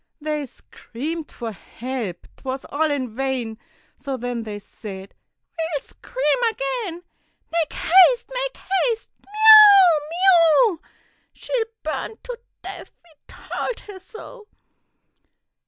They screamed for help, 'twas all in vain, So then they said, "We'll scream again. Make haste, make haste! Me ow! me o! She'll burn to death we told her so."